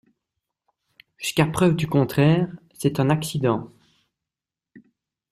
Jusqu’à preuve du contraire, c’est un accident.